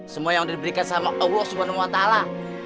semua yang diberikan sama ewa sucarewa